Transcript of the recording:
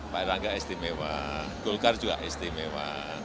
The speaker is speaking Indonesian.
pak erlangga istimewa golkar juga istimewa